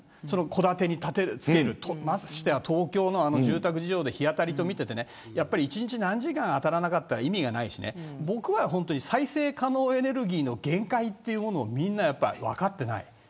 戸建てに付けるましてや東京の住宅事情の日当たりを見て１日何時間当たらなかったら意味がないし再生可能エネルギーの限界というものをみんな分かってない。